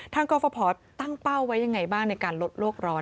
ทางกรภพตั้งเป้าไว้อย่างไรบ้างในการลดโรคร้อน